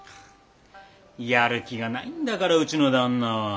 やる気がないんだからうちの旦那は。